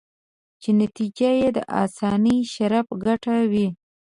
چې نتیجه یې د انساني شرف ګټه وي.